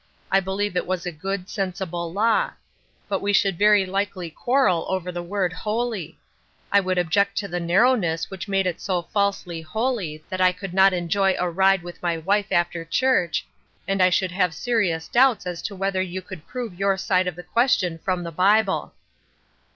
I believe it was a good, sensible law. But we sliould very likely quarrel over the word *holy.' I should object to the narrowness which made it sc falsely holy that I could not enjoy a ride with my wife after church, and I should have ''Hearken Unto Me^ 371 serious doubts as to whether you could pro've your side of the question from the Bible."